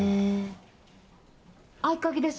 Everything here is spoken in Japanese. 合鍵です。